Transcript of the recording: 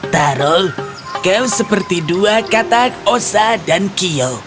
taro kau seperti dua katak osa dan kio